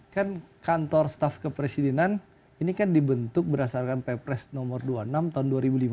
kan kantor staff kepresidenan ini kan dibentuk berdasarkan ppres nomor dua puluh enam tahun dua ribu lima belas